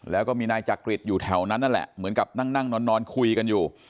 แล้วก็มีนายจักริตอยู่แถวนั้นนั่นแหละเหมือนกับนั่งนอนคุยกันอยู่